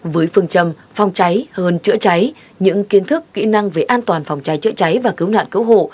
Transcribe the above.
với phương châm phòng cháy hơn chữa cháy những kiến thức kỹ năng về an toàn phòng cháy chữa cháy và cứu nạn cứu hộ